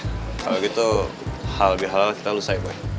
ya kalau gitu halal bihalal kita lusa ya boy